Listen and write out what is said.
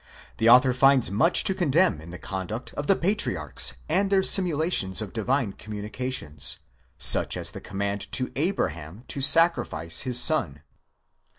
The author finds much to condemn in the conduct of the patriarchs, and their simulations of divine communica tions ; such as the command to Abraham to sacrifice his son.